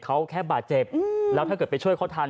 เขาแค่บาดเจ็บแล้วถ้าเกิดไปช่วยเขาทัน